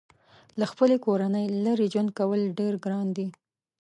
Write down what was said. له خپلې کورنۍ لرې ژوند کول ډېر ګران دي.